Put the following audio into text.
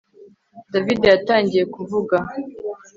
David yatangiye kuvuga